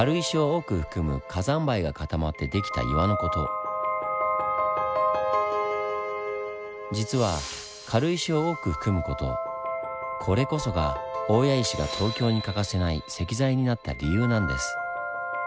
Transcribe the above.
要は実は軽石を多く含む事これこそが大谷石が東京に欠かせない石材になった理由なんです。